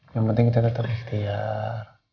yang penting kita tetap ikhtiar